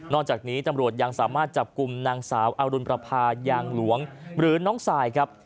จากนี้ตำรวจยังสามารถจับกลุ่มนางสาวอรุณประพายางหลวงหรือน้องทรายครับ